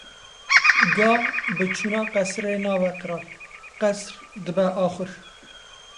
Ga bi çûna qesrê nabe qral, qesr dibe axur.